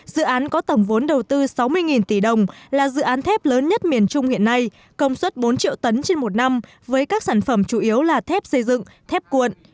dự án có tổng vốn đầu tư sáu mươi tỷ đồng là dự án thép lớn nhất miền trung hiện nay công suất bốn triệu tấn trên một năm với các sản phẩm chủ yếu là thép xây dựng thép cuộn